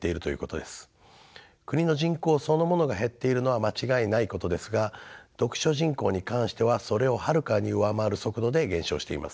国の人口そのものが減っているのは間違いないことですが読書人口に関してはそれをはるかに上回る速度で減少しています。